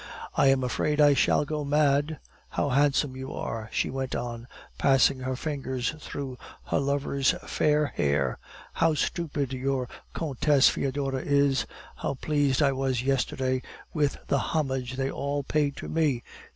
"I am afraid I shall go mad. How handsome you are!" she went on, passing her fingers through her lover's fair hair. "How stupid your Countess Foedora is! How pleased I was yesterday with the homage they all paid to me!